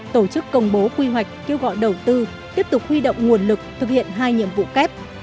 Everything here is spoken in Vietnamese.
tổ chức công bố quy hoạch kêu gọi đầu tư tiếp tục huy động nguồn lực thực hiện hai nhiệm vụ kép